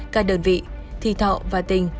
các đơn vị thi thọ và tình